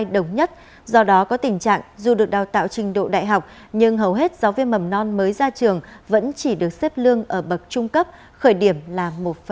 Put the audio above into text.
do đó có tình trạng dù được đào tạo trình độ đại học nhưng hầu hết giáo viên mầm non mới ra trường vẫn chỉ được xếp lương ở bậc trung cấp khởi điểm là một năm